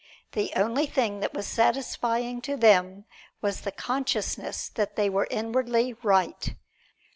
The only thing that was satisfying to them was the consciousness that they were inwardly right.